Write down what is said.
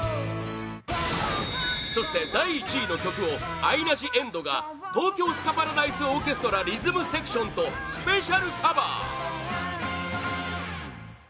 そして、第１位の曲をアイナ・ジ・エンドが東京スカパラダイスオーケストラリズムセクションとスペシャルカバー